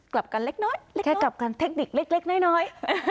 กลับกันเล็กน้อยแค่กลับกันเทคนิคเล็กน้อย